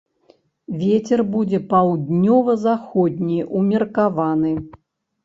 Вецер будзе паўднёва-заходні ўмеркаваны.